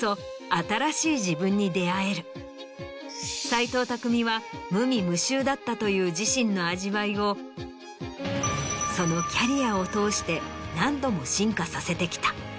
斎藤工は無味無臭だったという自身の味わいをそのキャリアを通して何度も進化させてきた。